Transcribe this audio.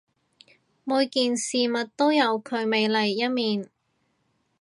每件事物都有佢美麗一面